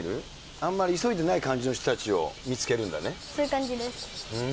あんまり急いでない感じの人たちそういう感じです。